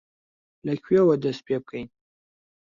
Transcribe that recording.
لەکوێوە دەست پێ بکەین؟